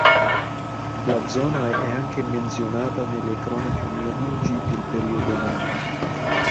La zona è anche menzionata nelle cronache "Nihongi" del periodo Nara.